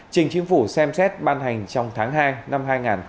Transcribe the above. trình chính phủ xem xét ban hành trong tháng hai năm hai nghìn hai mươi